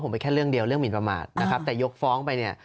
เป็นประมาทนะครับแต่ยกฟ้องไปเนี่ย